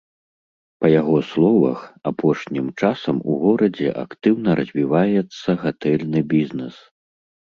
Па яго словах, апошнім часам у горадзе актыўна развіваецца гатэльны бізнэс.